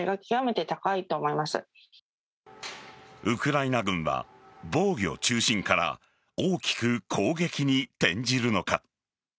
ウクライナ軍は防御中心から大きく攻撃に転じるのか。